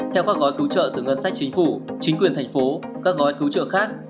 theo các gói cứu trợ từ ngân sách chính phủ chính quyền thành phố các gói cứu trợ khác